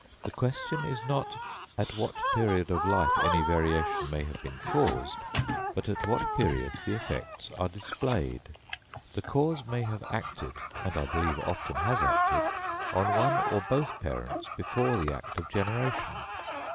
The question is not, at what period of life any variation may have been caused, but at what period the effects are displayed. The cause may have acted, and I believe often has acted, on one or both parents before the act of generation.